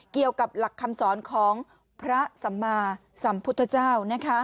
เกี่ยวกับหลักคำสอนของพระสัมมาสัมพุทธเจ้า